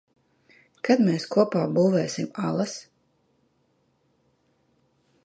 Kad mēs kopā būvēsim alas?